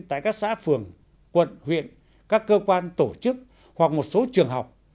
tại các xã phường quận huyện các cơ quan tổ chức hoặc một số trường học